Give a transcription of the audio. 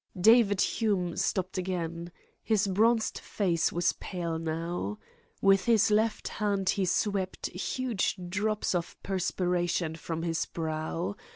David Hume stopped again. His bronzed face was pale now. With his left hand he swept huge drops of perspiration from his brow.